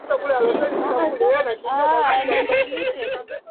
Ikiwa maji hayangekuwa na maendeleo ya ubinadamu